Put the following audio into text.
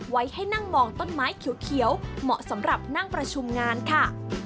ไว้ให้นั่งมองต้นไม้เขียวเหมาะสำหรับนั่งประชุมงานค่ะ